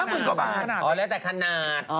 หรือแต่ขนาด